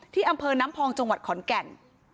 ที่อำเภอน้ำพองจังหวัดขอนแก่น